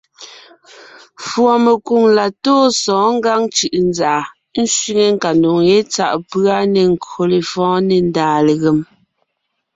Fùɔmekwoŋ la tóo sɔ̌ɔn Ngǎŋ cʉ̀ʼʉnzàʼa sẅiŋe nkadoŋ ye tsáʼ pʉ́a nê nkÿo lefɔ̌ɔn nê ndàa legém.